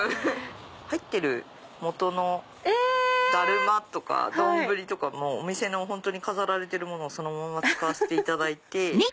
入ってる元のだるまとか丼とかもお店の本当に飾られてるものをそのまま使わせていただいて。